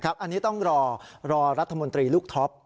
อันนี้ต้องรอรัฐมนตรีลูกท็อป